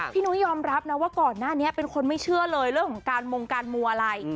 นุ้ยยอมรับนะว่าก่อนหน้านี้เป็นคนไม่เชื่อเลยเรื่องของการมงการมัวอะไร